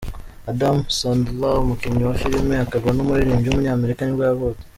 Adam Sandler, umukinnyi wa filime, akaba n’umuririmbyi w’umunyamerika nibwo yavutse.